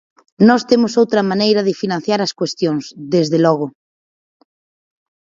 Nós temos outra maneira de financiar as cuestións, desde logo.